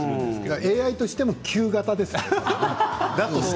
ＡＩとしても旧型ですよね。